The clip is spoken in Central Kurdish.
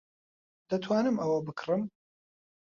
دەتوانم ئەوە بکڕم؟